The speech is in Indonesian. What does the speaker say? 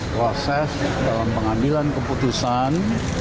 proses dalam pengambilan keputusan